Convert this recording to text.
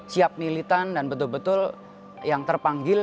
siap militan dan betul betul yang terpanggil